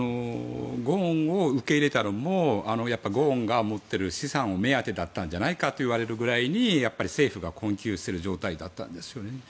ゴーンを受け入れたのもやっぱりゴーンが持っている資産を目当てだったんじゃないかと言われるくらい政府が困窮している状態だったんですよね。